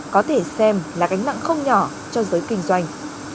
có thể xem là gánh nặng không nhỏ cho giới kinh doanh